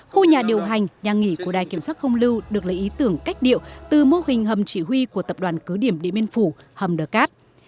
khu nhà điều hành nhà nghỉ của đài kiểm soát không lưu được lấy ý tưởng cách điệu từ mô hình hầm chỉ huy của tập đoàn cứ điểm điện biên phủ hầm đờ cát